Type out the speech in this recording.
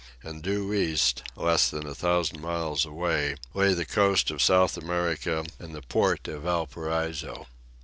And due east, less than a thousand miles away, lay the coast of South America and the port of Valparaiso.